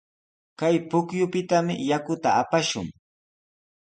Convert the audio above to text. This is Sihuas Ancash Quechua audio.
Kay pukyupitami yakuta apashun.